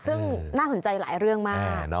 ซึ่งน่าสนใจหลายเรื่องมาก